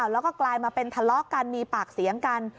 แล้วก็กลายมาเป็นทะเลาะกันมีปากเสียงกัน